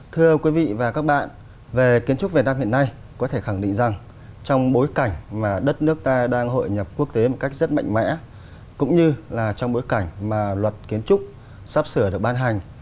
trong bối cảnh mà đất nước ta đang hội nhập quốc tế một cách rất mạnh mẽ cũng như là trong bối cảnh mà luật kiến trúc sắp sửa được ban hành